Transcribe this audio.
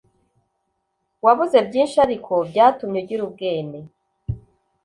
wabuze byinshi ariko byatumye ugira ubwene